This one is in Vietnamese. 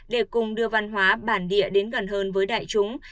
để cùng đưa văn hóa bản địa đến gần hơn với đại chúng